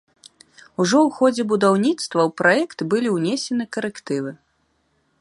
Ужо ў ходзе будаўніцтва ў праект былі ўнесены карэктывы.